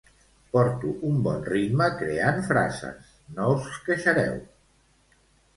Porto un bon ritme creant frases, no us queixareu.